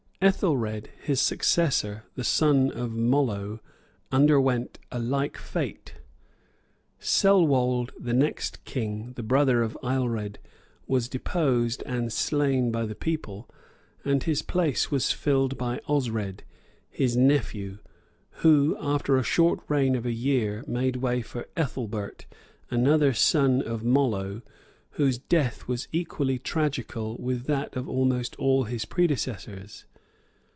Ethelred, his successor, the son of Mollo, underwent a like fate. Celwold, the next king, the brother of Ailred, was deposed and slain by the people; and his place was filled by Osred, his nephew, who, after a short reign of a year, made way for Ethelbert, another son of Mollo whose death was equally tragical with that of almost all his predecessors.